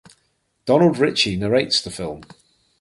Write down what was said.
Donald Richie narrates the film.